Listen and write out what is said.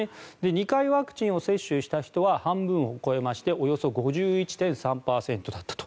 ２回ワクチンを接種した人は半分を超えましておよそ５１．３％だったと。